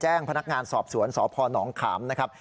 จัดการพนักงานสอบสวนสนขามนะครับ